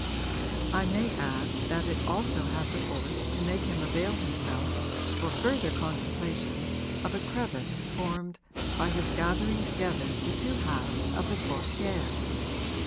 I may add that it also had the force to make him avail himself for further contemplation of a crevice formed by his gathering together the two halves of the portière.